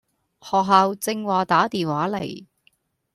學校正話打電話嚟